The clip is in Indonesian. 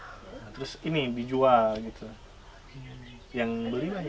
oh di aplikasi hp ada terus ini dijual gitu yang beli banyak